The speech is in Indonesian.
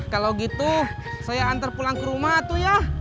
kalau gitu saya antar pulang ke rumah tuh ya